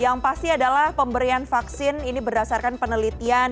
yang pasti adalah pemberian vaksin ini berdasarkan penelitian